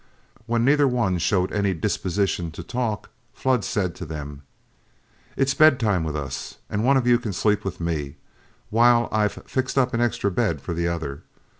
When neither one showed any disposition to talk, Flood said to them, "It's bedtime with us, and one of you can sleep with me, while I 've fixed up an extra bed for the other.